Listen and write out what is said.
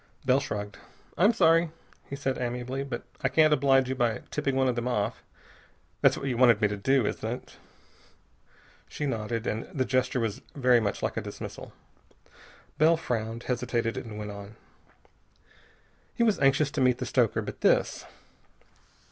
Bell shrugged. "I'm sorry," he said amiably, "that I can't oblige you by tipping one of them off. That's what you wanted me to do, isn't it?" She nodded, and the gesture was very much like a dismissal. Bell frowned, hesitated, and went on. He was anxious to meet the stoker, but this....